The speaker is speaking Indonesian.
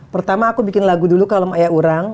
pertama aku bikin lagu dulu kalem ayak urang